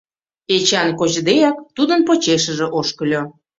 Эчан, кочдеак, тудын почешыже ошкыльо.